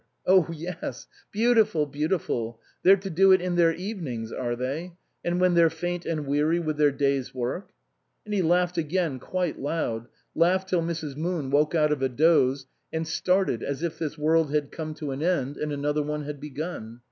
" Oh yes, beautiful, beautiful. They're to do it in their evenings, are they ? And when they're faint and weary with their day's work ?" And he laughed again quite loud, laughed till Mrs. Moon woke out of a doze and started as if this world had come to an end and another one had begun.